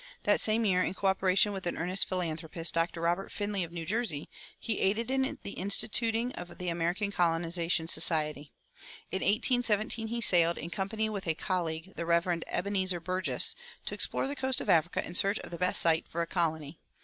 That same year, in coöperation with an earnest philanthropist, Dr. Robert Finley, of New Jersey, he aided in the instituting of the American Colonization Society. In 1817 he sailed, in company with a colleague, the Rev. Ebenezer Burgess, to explore the coast of Africa in search of the best site for a colony.